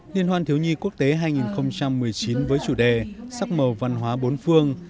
liên hoan thiếu nhi quốc tế hai nghìn một mươi chín với chủ đề sắc màu văn hóa bốn phương